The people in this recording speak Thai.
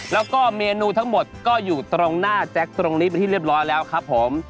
แล้วก็เมนูทั้งหมดก็อยู่ตรงหน้าแจ็คตรงนี้เป็นที่เรียบร้อยแล้วครับผม